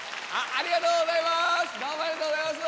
ありがとうございます。